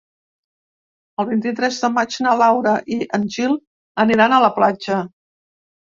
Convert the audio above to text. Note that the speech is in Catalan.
El vint-i-tres de maig na Laura i en Gil aniran a la platja.